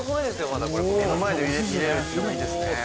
まだこれ」「目の前で見れるっていうのもいいですね」